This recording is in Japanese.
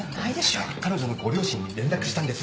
彼女のご両親に連絡したんです。